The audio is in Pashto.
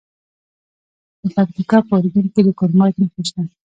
د پکتیکا په اورګون کې د کرومایټ نښې شته.